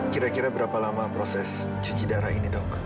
kira kira berapa lama proses cuci darah ini dok